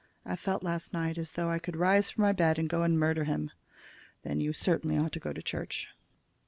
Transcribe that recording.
I felt last night as though I could rise from my bed and go and murder him." "Then you certainly ought to go to church."